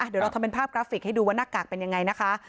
เดี๋ยวเราทำเป็นภาพกราฟิกให้ดูว่าหน้ากากเป็นยังไงนะคะ